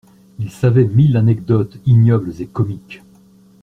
Il savait mille anecdotes ignobles et comiques.